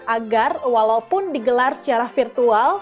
agar walaupun digelar secara virtual